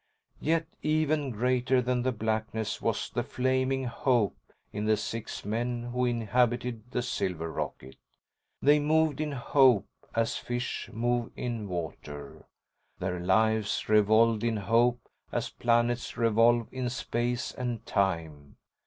Yet even greater than the blackness was the flaming hope in the six men who inhabited the silver rocket. They moved in hope as fish move in water. Their lives revolved in hope as planets revolve in space and time.